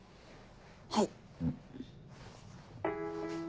はい。